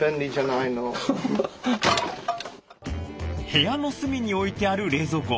部屋の隅に置いてある冷蔵庫。